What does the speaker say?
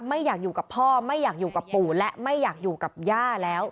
ไม่อยากอยู่กับพ่อไม่อยากอยู่กับปู่และไม่อยากอยู่กับย่าแล้ว